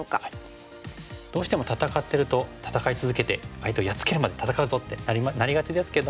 どうしても戦ってると戦い続けて相手をやっつけるまで戦うぞってなりがちですけども。